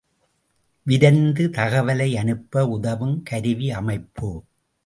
விரைந்து தகவலைஅனுப்ப உதவும் கருவியமைப்பு.